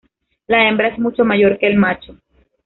La hembra es mucho mayor que el macho.